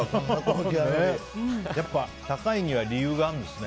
やっぱり高いには理由があるんですね。